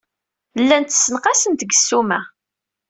Llant ssenqasent deg ssuma.